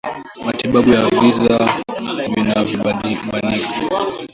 Matibabu ya visa vinavyobainika